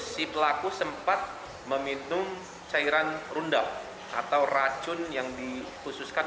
si pelaku sempat meminum cairan rundal atau racun yang dikhususkan